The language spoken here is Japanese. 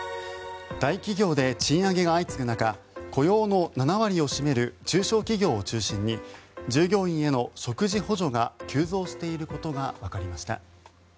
大企業で賃上げが相次ぐ中雇用の７割を占める中小企業を中心に従業員への食事補助が急増していることがわかりました。